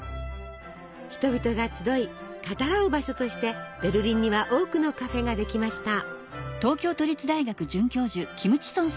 人々が集い語らう場所としてベルリンには多くのカフェができました。